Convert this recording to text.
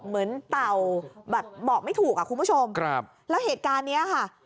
เต่าแบบบอกไม่ถูกอ่ะคุณผู้ชมครับแล้วเหตุการณ์เนี้ยค่ะ